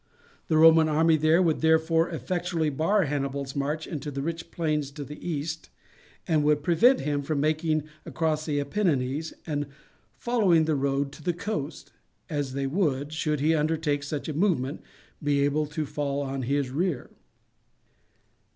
The Roman army there would therefore effectually bar Hannibal's march into the rich plains to the east, and would prevent him from making across the Apennines and following the road by the coast, as they would, should he undertake such a movement, be able to fall on his rear.